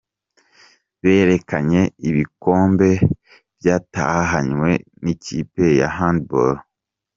Berekanye ibikombe byatahanywe n’ikipe ya hand ball.